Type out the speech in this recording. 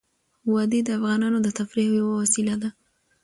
وادي د افغانانو د تفریح یوه وسیله ده.